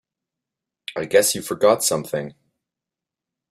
I guess you forgot something.